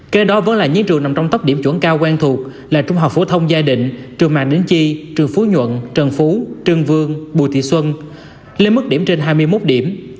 kê đó vẫn là những trường nằm trong tấp điểm chuẩn cao quen thuộc là trung học phổ thông giai định trường mạng đính chi trường phú nhuận trần phú trưng vương bùi thị xuân lên mức điểm trên hai mươi một điểm